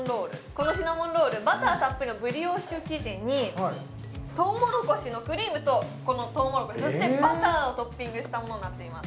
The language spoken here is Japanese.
このシナモンロールバターたっぷりのブリオッシュ生地にトウモロコシのクリームとこのトウモロコシそしてバターをトッピングしたものになっています